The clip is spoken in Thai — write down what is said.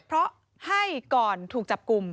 เพราะให้ก่อนถูกจับกลุ่ม